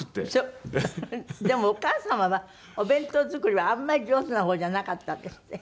でもお母様はお弁当作りはあんまり上手な方じゃなかったんですって？